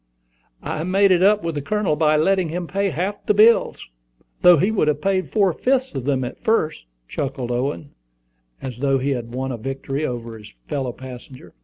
"I made it up with the Colonel by letting him pay half of the bills, though he would pay four fifths of them at first," chuckled Owen, as though he had won a victory over his fellow passenger.